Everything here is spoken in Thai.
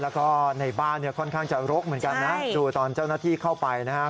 แล้วก็ในบ้านเนี่ยค่อนข้างจะรกเหมือนกันนะดูตอนเจ้าหน้าที่เข้าไปนะครับ